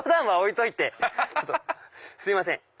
すいません